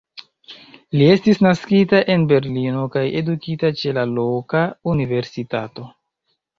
Li estis naskita en Berlino kaj edukita ĉe la loka universitato.